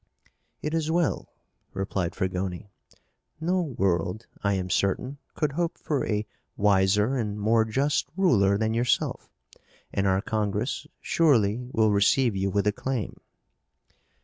"It is well," replied Fragoni. "No world, I am certain, could hope for a wiser and more just ruler than yourself, and our Congress surely will receive you with acclaim."